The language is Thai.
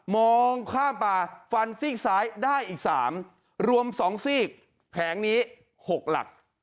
มองข้ามป่าฟันซีกซ้ายได้อีก๓รวม๒ซีกแผงนี้๖หลัก